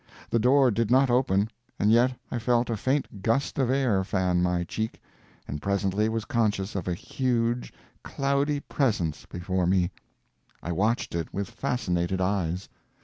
The door did not open, and yet I felt a faint gust of air fan my cheek, and presently was conscious of a huge, cloudy presence before me. I watched it with fascinated eyes.